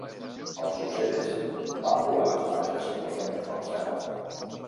Els ocells van volar majestuosament pel cel.